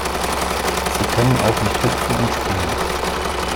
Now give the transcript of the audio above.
Sie können auch nicht hüpfen und springen.